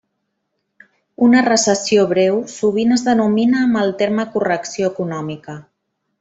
Una recessió breu sovint es denomina amb el terme correcció econòmica.